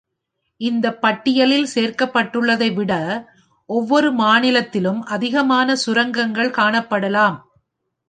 இந்த பட்டியலில் சேர்க்கப்பட்டுள்ளதை விட ஒவ்வொரு மாநிலத்திலும் அதிகமான சுரங்கங்கள் காணப்படலாம்.